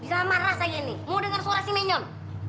bisa marah saya ini mau dengar suara si menyon